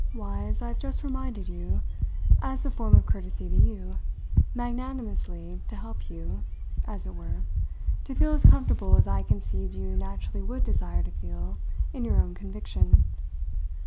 Why, as I've just reminded you, as a form of courtesy to you magnanimously to help you, as it were, to feel as comfortable as I conceived you naturally would desire to feel in your own conviction.